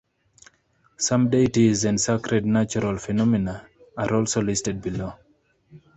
Some deities and sacred natural phenomena are also listed below.